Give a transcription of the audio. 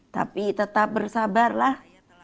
tapi tetap bersabarlah